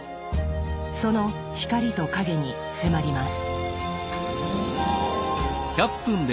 その光と影に迫ります。